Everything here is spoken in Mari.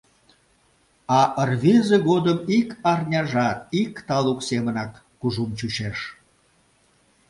А рвезе годым ик арняжат ик талук семынак кужун чучеш.